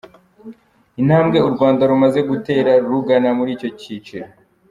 Intambwe u Rwanda rumaze gutera rugana muri icyo cyiciro.